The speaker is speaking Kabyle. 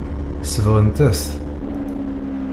Sebɣent-as-t.